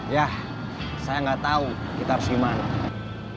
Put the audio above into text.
yah saya gak tau kita harus gimana